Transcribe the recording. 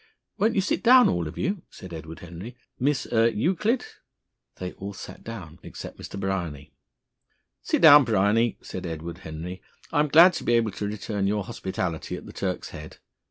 "Won't you sit down, all of you?" said Edward Henry. "Miss er Euclid " They all sat down except Mr. Bryany. "Sit down, Bryany," said Edward Henry. "I'm glad to be able to return your hospitality at the Turk's Head."